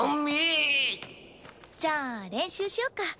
じゃあ練習しようか。